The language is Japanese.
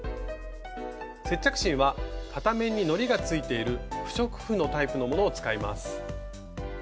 接着芯は片面にのりがついている不織布のタイプのものを使います。